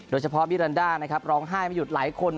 โดยเฉพาะบิลันด้านะครับร้องไห้ไม่หยุดหลายคน